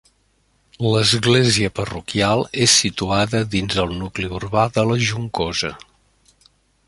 L'església parroquial és situada dins el nucli urbà de la Juncosa.